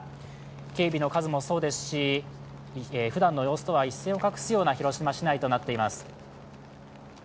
警備の数もそうですし、ふだんの様子とは一線を画す広島市内となっています。